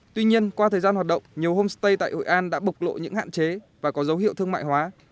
tuy nhiên qua thời gian hoạt động nhiều homestay tại hội an đã bộc lộ những hạn chế và có dấu hiệu thương mại hóa